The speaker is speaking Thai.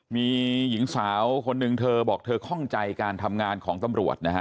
มีหญิงสาวคนหนึ่งเธอบอกเธอข้องใจการทำงานของตำรวจนะฮะ